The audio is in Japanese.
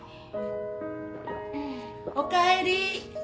・おかえり。